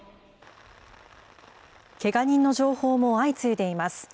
けが人の情報も相次いでいます。